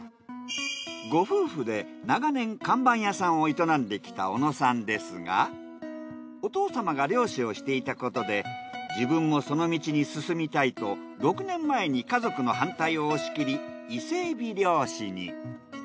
ご夫婦で長年看板屋さんを営んできた小野さんですがお父様が漁師をしていたことで自分もその道に進みたいと６年前に家族の反対を押し切り伊勢海老漁師に。